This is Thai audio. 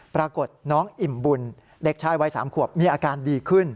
ปรากฏน้องอิ่มบุญเด็กชายวัย๓ขวบมีอาการดีขึ้น